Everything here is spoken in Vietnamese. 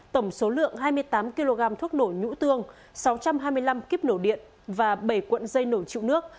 tổng số lượng hai mươi tám kg thuốc nổ nhũ tương sáu trăm hai mươi năm kíp nổ điện và bảy cuộn dây nổ trụ nước